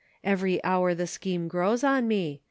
"Every hour the scheme grows on me.